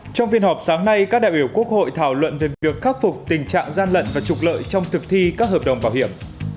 trong phiên họp sáng nay các đại biểu quốc hội thảo luận về việc khắc phục tình trạng gian lận và trục lợi trong thực thi các hợp đồng bảo hiểm